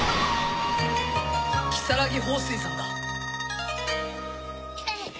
如月峰水さんだ！